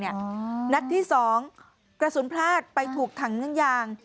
นัดที่๒กระสุนพลาดไปถูกถังน้ำยาง